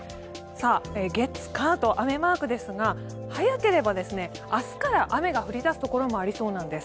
月、火と雨マークですが早ければ明日から雨が降り出すところもありそうなんです。